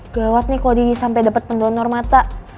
gawat nih kalo deddy sampe dapet pendonor mata